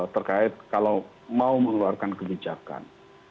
terkait kalau mau mengeluarkan kebijakan